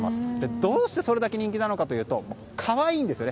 どうしてそれだけ人気なのかというと可愛いんですよね。